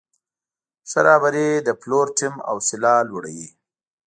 ښه رهبري د پلور ټیم حوصله لوړوي.